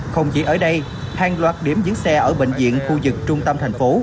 không chỉ ở đây hàng loạt điểm giữ xe ở bệnh viện khu vực trung tâm thành phố